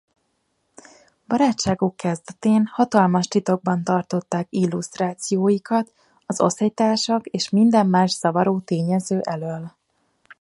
Barátságuk kezdetén hatalmas titokban tartották illusztrációikat az osztálytársak és minden más zavaró tényező elől.